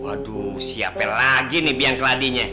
tuh aduh siapain lagi nih biang keladinya